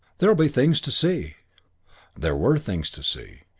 "There'll be things to see." There were things to see.